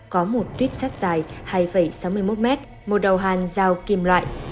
có một tuyếp sắt dài hai sáu mươi một m một đầu hàn dao kim loại